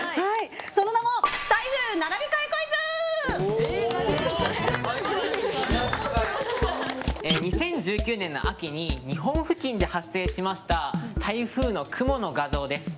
その名も２０１９年の秋に日本付近で発生しました台風の雲の画像です。